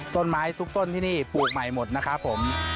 ต้นไม้ทุกต้นที่นี่ปลูกใหม่หมดนะครับผม